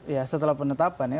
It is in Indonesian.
ya setelah penetapan ya